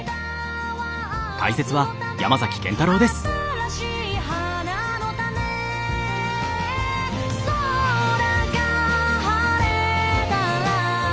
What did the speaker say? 「新しい花の種」「空が晴れたら」